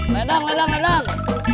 ledang ledang ledang